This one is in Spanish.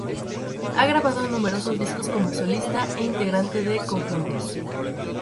Ha grabado numerosos discos como solista e integrante de conjuntos.